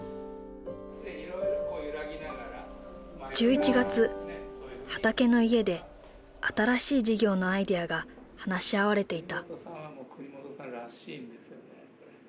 １１月はたけのいえで新しい事業のアイデアが話し合われていた。